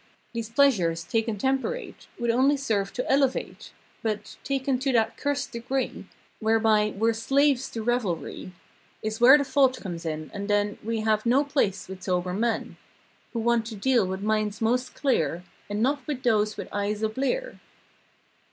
These pleasures, taken temperate Would only serve to elevate; But, taken to that curst degree. Whereby, we're slaves to revelry Is where the fault comes in, and then We have no place with sober men Who want to deal with minds most clear And not with those with eyes a blear.